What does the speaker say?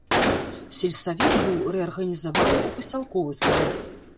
Сельсавет быў рэарганізаваны ў пасялковы савет.